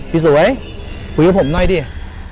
พี่สวยพิกับผมน้อยดิ